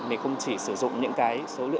thì không chỉ sử dụng những cái số tiền